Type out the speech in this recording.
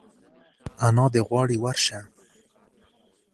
انا دي غواړي ورشه !